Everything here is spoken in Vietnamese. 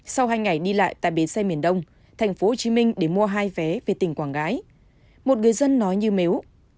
sau hai ngày đi lại tại bến xe miền đông tp hcm để mua hai vé về tỉnh quảng ngãi một người dân nói như nếu